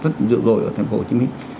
rất dữ rồi ở thành phố hồ chí minh